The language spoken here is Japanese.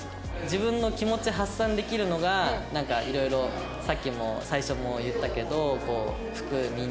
自分の気持ち発散できるのがなんかいろいろさっきも最初も言ったけど服見に行ったりとか。